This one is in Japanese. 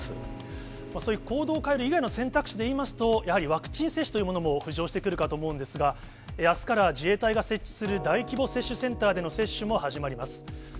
そういう行動を変える以外の選択肢でいいますと、やはりワクチン接種というものも浮上してくるかと思うんですが、あすから自衛隊が設置する大規模接種センターでの接種も始まります。